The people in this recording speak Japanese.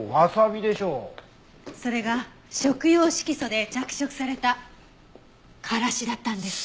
それが食用色素で着色されたからしだったんです。